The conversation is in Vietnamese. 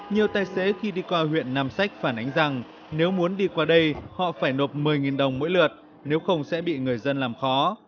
nhiều tài xế khi đi qua huyện nam sách phản ánh rằng nếu muốn đi qua đây họ phải nộp một mươi đồng mỗi lượt nếu không sẽ bị người dân làm khó